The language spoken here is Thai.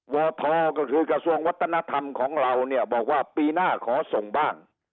วทก็คือกระทรวงวัฒนธรรมของเราเนี่ยบอกว่าปีหน้าขอส่งบ้าง